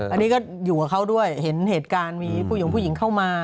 อันนี้ก็อยู่กับเขาด้วยเห็นเหตุการณ์มีผู้หญิงผู้หญิงเข้ามา